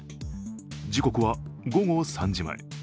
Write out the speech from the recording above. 時刻は午後３時前。